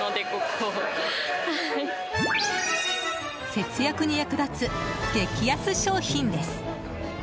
節約に役立つ激安商品です。